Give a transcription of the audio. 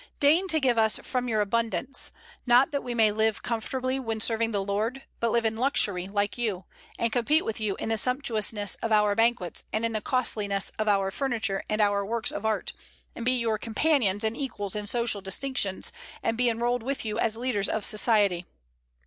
Deign to give us from your abundance, not that we may live comfortably when serving the Lord, but live in luxury like you, and compete with you in the sumptuousness of our banquets and in the costliness of our furniture and our works of art, and be your companions and equals in social distinctions, and be enrolled with you as leaders of society."